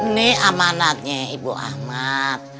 nih amanatnya ibu ahmad